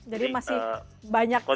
jadi masih banyak sekali